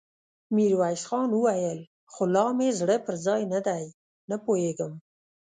ميرويس خان وويل: خو لا مې زړه پر ځای نه دی، نه پوهېږم!